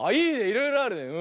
いろいろあるね。